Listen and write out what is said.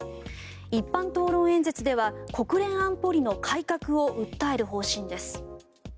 一般討論演説では国連安保理の改革を訴える方針です。